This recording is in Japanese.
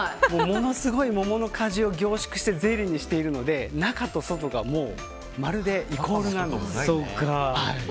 ものすごい桃の果汁を凝縮してゼリーにしているので中と外がまるでイコールなんです。